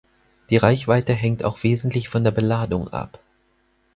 Die Reichweite hängt auch wesentlich von der Beladung ab.